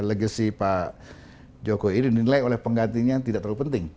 legacy pak jokowi dinilai oleh penggantinya yang tidak terlalu penting